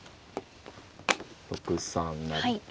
６三成桂。